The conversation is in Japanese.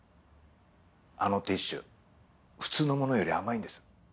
あのティッシュ普通のものより甘いんです。